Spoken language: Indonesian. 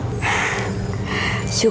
terima kasih pak